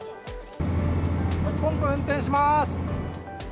ポンプ運転します。